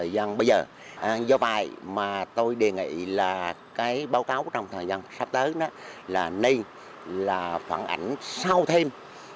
bây giờ do vài mà tôi đề nghị là cái báo cáo trong thời gian sắp tới là nên là phản ảnh sau thêm